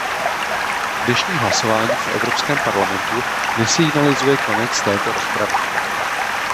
Dnešní hlasování v Evropském parlamentu nesignalizuje konec této rozpravy.